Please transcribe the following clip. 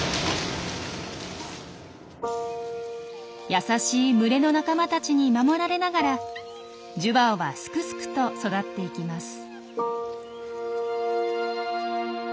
優しい群れの仲間たちに守られながらジュバオはすくすくと育っていきます。